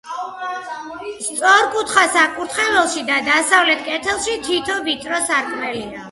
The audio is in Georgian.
სწორკუთხა საკურთხეველში და დასავლეთ კედელში თითო ვიწრო სარკმელია.